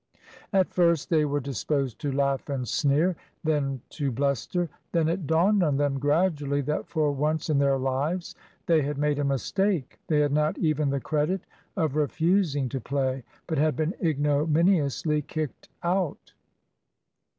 At first they were disposed to laugh and sneer; then to bluster. Then it dawned on them gradually that for once in their lives they had made a mistake. They had not even the credit of refusing to play, but had been ignominiously kicked out.